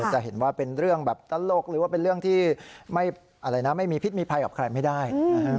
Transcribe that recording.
จะเห็นว่าเป็นเรื่องแบบตลกหรือว่าเป็นเรื่องที่อะไรนะไม่มีพิษมีภัยกับใครไม่ได้